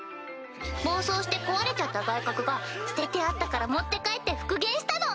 暴走して壊れちゃった外殻が捨ててあったから持って帰って復元したの！